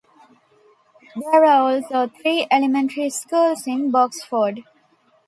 There are also three elementary schools in Boxford.